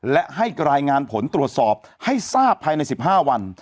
และให้รายงานผลตรวจสอบให้ทราบภายใน๑๕วัน